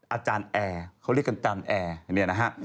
อาจารย์แอร์เขาเรียกกันต่านแอร์นี่นะฮะ